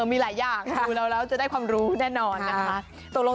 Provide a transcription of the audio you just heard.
มีหลายอย่างดูเราแล้วจะได้ความรู้แน่นอนนะคะ